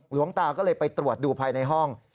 หลวงตาก็เลยไปตรวจดูภายในห้อง